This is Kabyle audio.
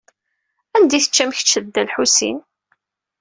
Anda i teččam kečč d Dda Lḥusin?